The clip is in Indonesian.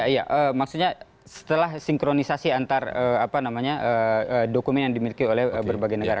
iya maksudnya setelah sinkronisasi antar dokumen yang dimiliki oleh berbagai negara